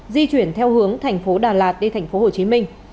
di chuyển theo hướng thành phố đà lạt đi thành phố hồ chí minh